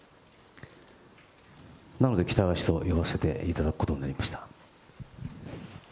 なので喜多川氏と呼ばせていただくことになりました。